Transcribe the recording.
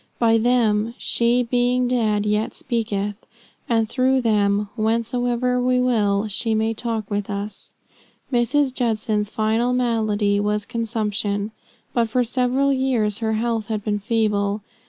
By them "she being dead yet speaketh," and through them, whensoever we will, she may talk with us. Mrs. Judson's final malady was consumption, but for several years her health had been feeble.